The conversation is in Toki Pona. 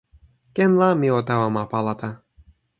ken la mi o tawa ma Palata.